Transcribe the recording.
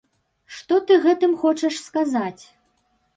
Што ты гэтым хочаш сказаць?